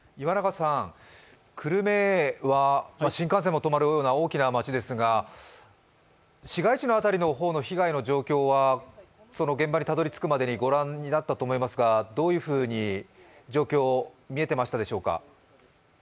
久留米は新幹線も止まるような大きな町ですが市街地の辺りの被害の状況は現場にたどり着くまでにご覧になったと思いますがどういうふうに見えていましたでしょうか。